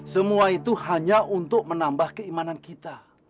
semua itu hanya untuk menambah keimanan kita